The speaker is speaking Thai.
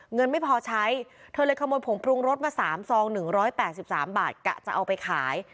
เงินไม่พอใช้เธอเลยขโมยผงปรุงรสมา๓ซอง๑๘๓บาทกะจะเอาไปขาย